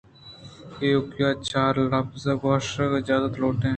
ایوک ءَ چارلبز گوٛشگ ءِ اجازت لوٹیں